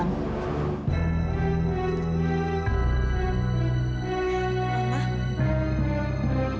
ini buat kamu